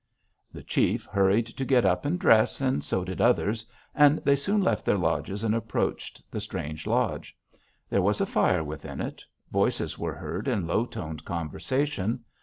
"The chief hurried to get up and dress, and so did others, and they soon left their lodges and approached the strange lodge. There was a fire within it. Voices were heard in low toned conversation.